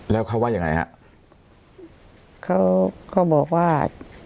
แล้วเขาว่ายังไงฮะเขาเขาบอกว่า